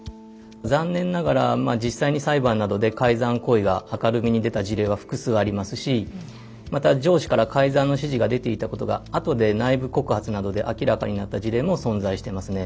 残念ながら実際に裁判などで改ざん行為が明るみに出た事例は複数ありますしまた上司から改ざんの指示が出ていたことがあとで内部告発などで明らかになった事例も存在してますね。